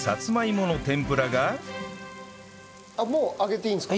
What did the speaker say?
もう上げていいんですか？